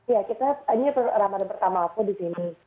ya kita ini ramadan pertama aku di sini